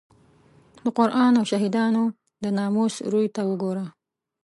د قران او شهیدانو د ناموس روی ته وګوره.